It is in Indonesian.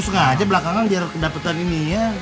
lu sengaja belakangan biar kedapetan ini ya